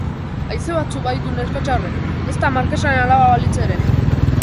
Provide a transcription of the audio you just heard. Haize batzuk baditu neskatxa horrek!, ezta markesaren alaba balitz ere!